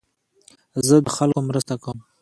زه د خلکو مرسته کوم.